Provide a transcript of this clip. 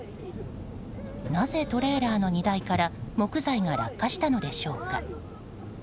なぜトレーラーの荷台から木材が落下したのでしょうか。